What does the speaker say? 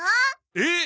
えっ！？